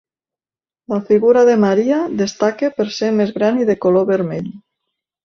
La figura de Maria destaca per ser més gran i de color vermell.